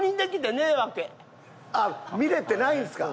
あっ見れてないんすか。